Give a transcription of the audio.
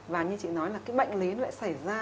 và như chị nói là cái bệnh lý lại xảy ra